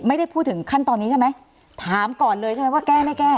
ไม่ได้พูดถึงขั้นตอนนี้ใช่ไหมถามก่อนเลยใช่ไหมว่าแก้ไม่แก้